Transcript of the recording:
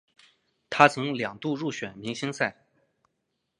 他曾两度入选明星赛。